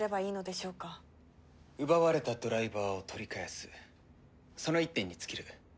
奪われたドライバーを取り返すその一点に尽きる。